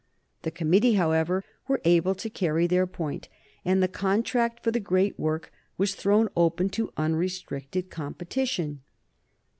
The committee, however, were able to carry their point, and the contract for the great work was thrown open to unrestricted competition.